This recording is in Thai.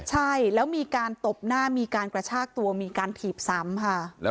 ใช่แล้วมีการตบหน้ามีการกระชากตัวมีการถีบซ้ำค่ะ